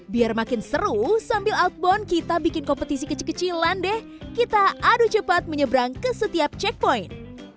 biar makin seru sambil outbound kita bikin kompetisi kecil kecilan deh kita adu cepat menyeberang ke setiap checkpoint